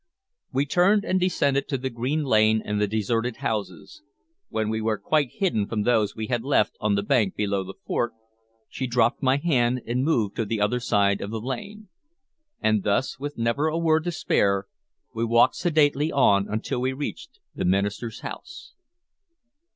We turned and descended to the green lane and the deserted houses. When we were quite hidden from those we had left on the bank below the fort, she dropped my hand and moved to the other side of the lane; and thus, with never a word to spare, we walked sedately on until we reached the minister's house.